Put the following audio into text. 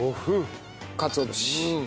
かつお節。